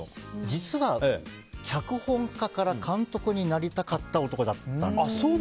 実は脚本家から監督になりたかった男だったんですよ。